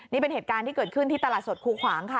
นี่เป็นเหตุการณ์ที่เกิดขึ้นที่ตลาดสดคูขวางค่ะ